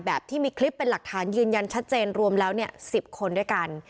ที่มีคลิปเป็นหลักฐานยืนยันชัดเจนรวมแล้ว๑๐คนด้วยกัน